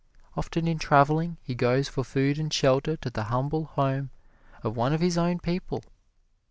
Often in traveling he goes for food and shelter to the humble home of one of his own people.